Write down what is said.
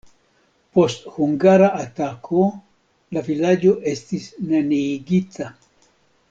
Post hungara atako la vilaĝo estis neniigita.